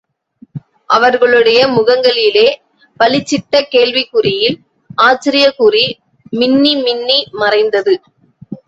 அவர்களுடைய முகங்களிலே பளிச்சிட்ட கேள்விக்குறியில் ஆச்சரியக்குறி மின்னிமின்னி மறைந்தது.